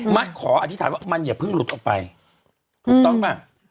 ขออธิษฐานว่ามันอย่าเพิ่งหลุดออกไปถูกต้องป่ะ